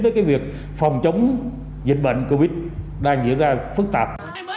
tới cái việc phòng chống dịch bệnh covid đang diễn ra phức tạp